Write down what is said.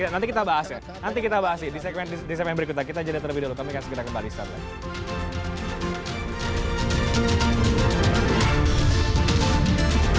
nanti kita bahas ya nanti kita bahas di segmen berikutnya kita jadikan terlebih dahulu kami akan segera kembali setelah ini